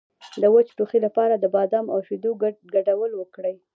د وچ ټوخي لپاره د بادام او شیدو ګډول وکاروئ